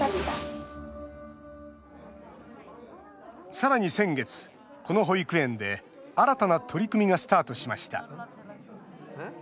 さらに先月、この保育園で新たな取り組みがスタートしました。